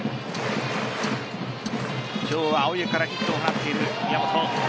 今日、青柳からヒットを放っている宮本。